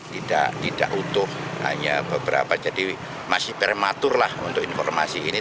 tidak tidak utuh hanya beberapa jadi masih prematur lah untuk informasi ini